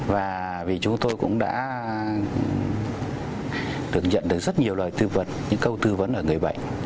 và vì chúng tôi cũng đã được nhận được rất nhiều loài tư vật những câu tư vấn ở người bệnh